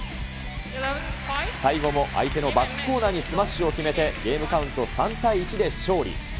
最後も相手のバックコーナーにスマッシュを決めて、ゲームカウント３対１で勝利。